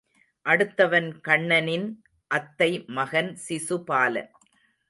அடுத்தவன் கண்ணனின் அத்தை மகன் சிசுபாலன்.